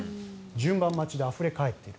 順番待ちであふれ返っている。